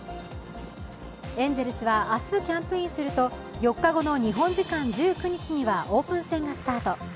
エンゼルスは明日キャンプインすると４日後の日本時間１９日にはオープン戦がスタート。